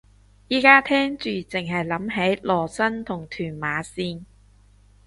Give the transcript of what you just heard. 而家聽住剩係諗起羅生同屯馬綫